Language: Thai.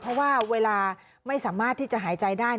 เพราะว่าเวลาไม่สามารถที่จะหายใจได้